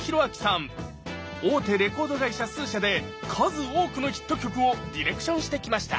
大手レコード会社数社で数多くのヒット曲をディレクションしてきました。